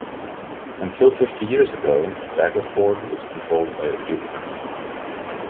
Until fifty years ago, Daggerford was controlled by a Duke.